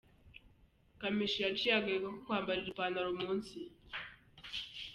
Kamichi yaciye agahigo mukwambarira ipantaro munsi.